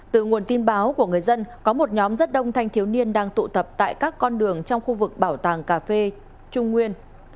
từ nguồn tin báo của người dân có một nhóm rất đông thanh thiếu niên đang tụ tập tại các con đường trong khu vực bảo tàng cà phê trung nguyên